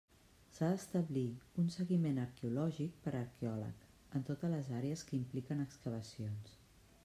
S'ha d'establir un seguiment arqueològic per arqueòleg, en totes les àrees que impliquen excavacions.